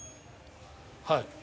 はい。